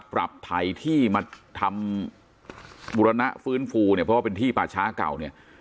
ปรับไถที่มาทำบุรณะฟื้นฟูเนี่ยเพราะว่าเป็นที่ป่าช้าเก่าเนี่ย